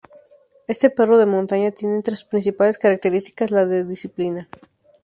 Este perro de montaña tiene entre sus principales características la de la disciplina.